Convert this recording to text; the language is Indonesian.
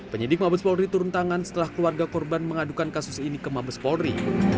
penyidik mabes polri turun tangan setelah keluarga korban mengadukan kasus ini ke mabes polri